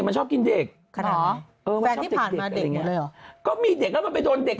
ไอ้ที่ตบปาก